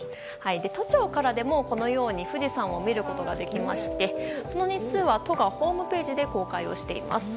都庁からでも、このように富士山を見ることができてその日数は、都がホームページで公開しています。